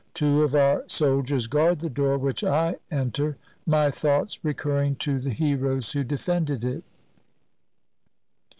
Two of our soldiers guard the door which I enter, my thoughts re curring to the heroes who defended it.